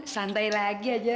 santai lagi aja